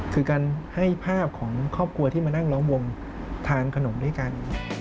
คือการให้ภาพของครอบครัวที่มานั่งล้อมวงทานขนมด้วยกัน